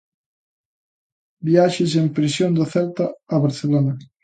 Viaxe sen presión do Celta a Barcelona.